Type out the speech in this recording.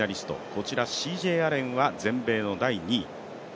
こちらＣＪ・アレンは全米の第２位。